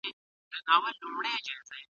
ما د خپل ورور سره په کوڅه کې خبرې وکړې.